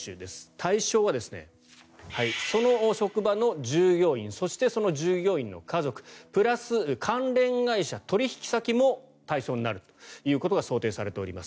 対象はその職場の従業員そして、その従業員の家族プラス、関連会社、取引先も対象になるということが想定されております。